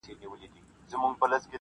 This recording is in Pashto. بې دلیله څارنواله څه خفه وي,